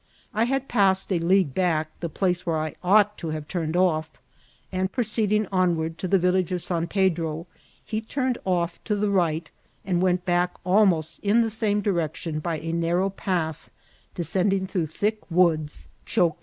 I had passed, a league back, the place vrhere I oiight to have turned off; and proceeding on ward to the village of San Pedro, he turned off to the right, and went back almost in the same direction by a narrow path descending tiirough thick woods choked 392 INCIDSNTS OF TRATBL.